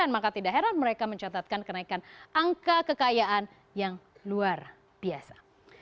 maka tidak heran mereka mencatatkan kenaikan angka kekayaan yang luar biasa